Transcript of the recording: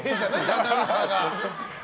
アナウンサーが。